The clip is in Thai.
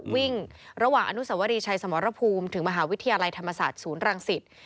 วิ่งระหว่างอนุสวรีชัยสมรภูมิถึงมหาวิทยาลัยธรรมศาสตร์ศูนย์รังสิต